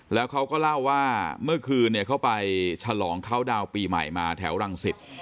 แล้วเขาก็เล่าว่าเมื่อคืนเขาไปฉลองเขาดาวน์ปีใหม่มาแถวรังสิต